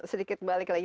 agak sedikit balik lagi